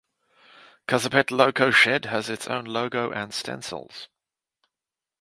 Kazipet loco shed has its own logo and stencils.